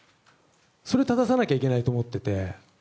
それを正さなきゃいけないと思っていて。